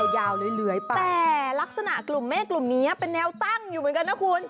เลื้อยไปแต่ลักษณะกลุ่มเมฆกลุ่มนี้เป็นแนวตั้งอยู่เหมือนกันนะคุณ